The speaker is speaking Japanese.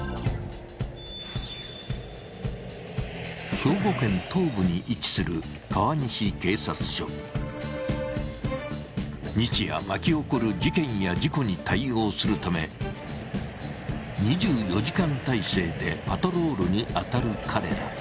兵庫県東部に位置する日夜巻き起こる事件や事故に対応するため２４時間体制でパトロールに当たる彼ら。